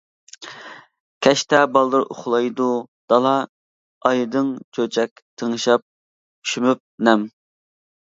كەچتە بالدۇر ئۇخلايدۇ دالا، ئايدىن چۆچەك تىڭشاپ، شۈمۈپ نەم.